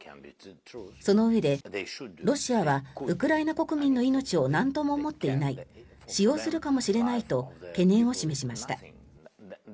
そのうえでロシアはウクライナ国民の命をなんとも思っていない使用するかもしれないと懸念を示しました。